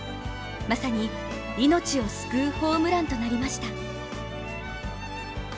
まさに命を救うホームランとなりました。